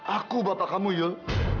aku bapak kamu yul